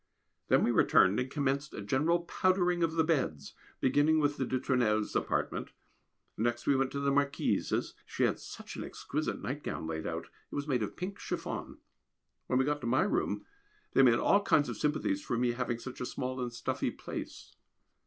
Then we returned and commenced a general powdering of the beds, beginning with the de Tournelles' apartment; next we went to the Marquise's she had such an exquisite nightgown laid out, it was made of pink chiffon. When we got to my room they made all kinds of sympathies for me having such a small and stuffy place.